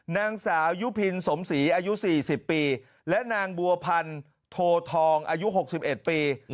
นางสาวยุพินสมศรีอายุ๔๐ปีและนางบัวพันโททองอายุ๖๑ปี